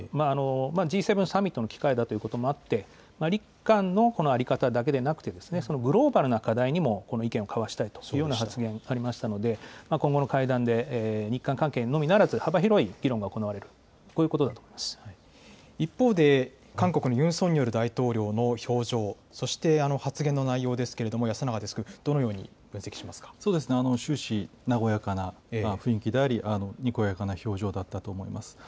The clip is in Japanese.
Ｇ７サミットの機会だということもあって、日韓の在り方だけではなくて、グローバルな課題にも意見を交わしたいというような発言ありましたので、今後の会談で日韓関係のみならず、幅広い議論が行われる、こういうことだと思い一方で、韓国のユン・ソンニョル大統領の表情、そして発言の内容ですけれども、安永デスク、終始、和やかな雰囲気であり、にこやかな表情だったと思います。